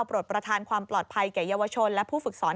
ปรวจประทานความปลอดภัยให้เยาวชนและผู้ฝึกษร